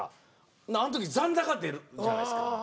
ほなあの時残高出るじゃないですか。